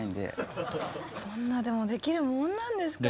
そんなでもできるもんなんですかね。